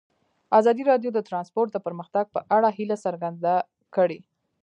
ازادي راډیو د ترانسپورټ د پرمختګ په اړه هیله څرګنده کړې.